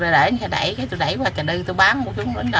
tôi đẩy qua trà đư tôi bán một chút